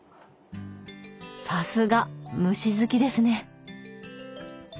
さすが虫好きですね。